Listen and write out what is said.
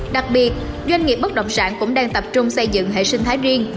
đặc biệt doanh nghiệp bất động sản cũng đang tập trung xây dựng hệ sinh thái riêng